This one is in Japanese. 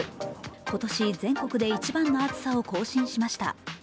今年、全国で一番の暑さを更新しました。